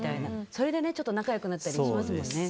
それで仲良くなったりしますもんね。